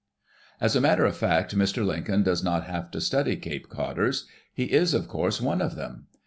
As a matter of fact. Mr. Lincoln does not have to study Cape Codders. He is, of course, one of them.